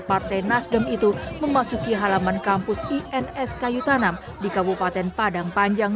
partai nasdem itu memasuki halaman kampus ins kayu tanam di kabupaten padang panjang